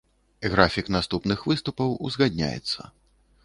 Графік наступных выступаў узгадняецца.